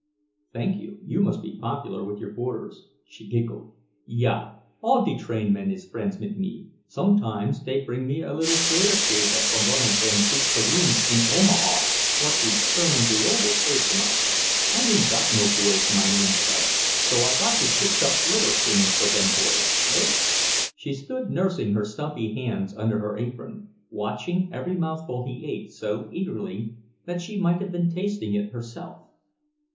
"Thank you. You must be popular with your boarders." She giggled. "Ja, all de train men is friends mit me. Sometimes dey bring me a liddle Schweizerkase from one of dem big saloons in Omaha what de Cherman beobles batronize. I ain't got no boys mein own self, so I got to fix up liddle tings for dem boys, eh?" She stood nursing her stumpy hands under her apron, watching every mouthful he ate so eagerly that she might have been tasting it herself.